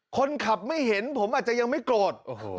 คนขับไม่เห็นผมอาจจะยังไม่โกรธ